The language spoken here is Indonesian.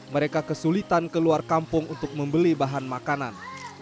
mereka kesulitan keluar kampung untuk membeli bahan makanan